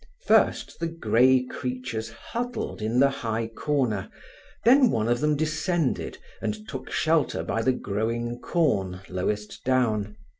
First the grey creatures huddled in the high corner, then one of them descended and took shelter by the growing corn lowest down.